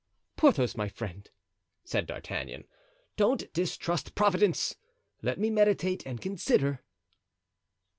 "Porthos, my friend," said D'Artagnan, "don't distrust Providence! Let me meditate and consider."